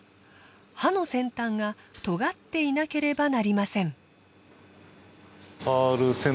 刃の先端がとがっていなければなりません。